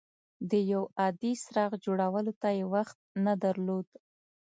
د یو عادي څراغ جوړولو ته یې وخت نه درلود.